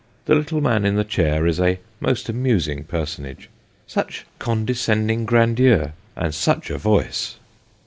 The little man in the chair is a most amusing personage, such condescending grandeur, and such a voice